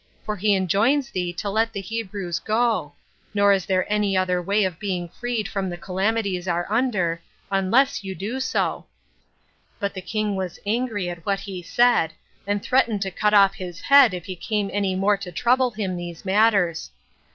for he enjoins thee to let the Hebrews go; nor is there any other way of being freed from the calamities you are under, unless you do so." But the king angry at what he said, and threatened to cut off his head if he came any more to trouble him these matters.